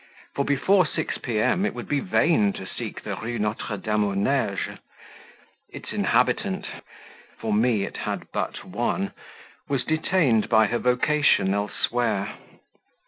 for before six P.M. it would be vain to seek the Rue Notre Dame aux Neiges; its inhabitant (for me it had but one) was detained by her vocation elsewhere.